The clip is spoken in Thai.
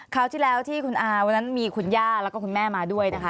คราวที่แล้วที่คุณอาวันนั้นมีคุณย่าแล้วก็คุณแม่มาด้วยนะคะ